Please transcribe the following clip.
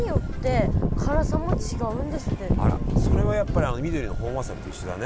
あらそれはやっぱり緑の本わさびと一緒だね。